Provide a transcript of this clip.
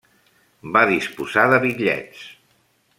Va disposar de bitllets.